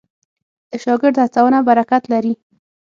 د شاګرد هڅونه برکت لري.